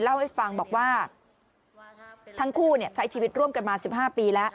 เล่าให้ฟังบอกว่าทั้งคู่ใช้ชีวิตร่วมกันมา๑๕ปีแล้ว